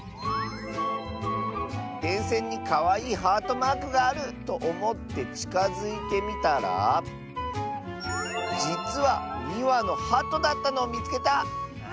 「でんせんにかわいいハートマークがあるとおもってちかづいてみたらじつは２わのハトだったのをみつけた！」。